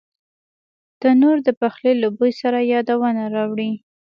تنور د پخلي له بوی سره یادونه راولي